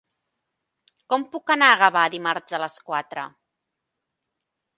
Com puc anar a Gavà dimarts a les quatre?